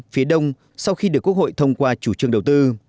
phía đông sau khi được quốc hội thông qua chủ trương đầu tư